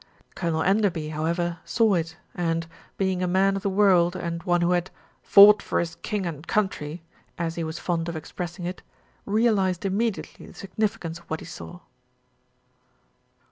Colonel Enderby, however, saw it and, being a man of the world and one who had "fought for his king and country," as he was fond of expressing it, realised immediately the significance of what he saw.